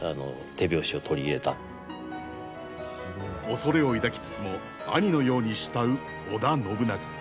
恐れを抱きつつも兄のように慕う織田信長。